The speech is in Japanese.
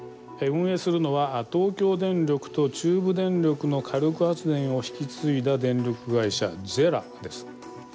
運営するのは東京電力と中部電力の火力発電を引き継いだ電力会社ＪＥＲＡです。